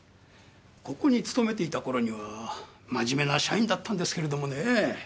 ここに勤めていた頃には真面目な社員だったんですけれどもねぇ。